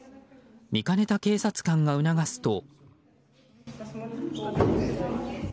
見かねた警察官が促すと。